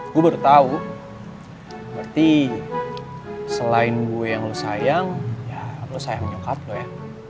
gue baru tau berarti selain gue yang lo sayang ya lo sayang nyokap lo ya